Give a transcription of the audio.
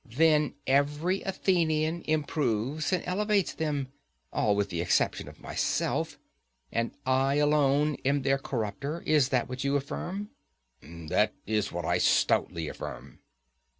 Then every Athenian improves and elevates them; all with the exception of myself; and I alone am their corrupter? Is that what you affirm? That is what I stoutly affirm.